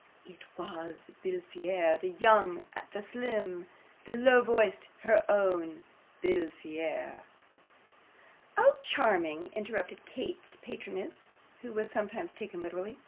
It WAS from Befillaire the young, the slim, the low voiced HER OWN Befillaire.' 'Oh, charming!' interrupted Kate's patroness, who was sometimes taken literary.